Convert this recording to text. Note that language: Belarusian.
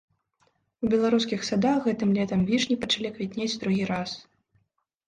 У беларускіх садах гэтым летам вішні пачалі квітнець другі раз.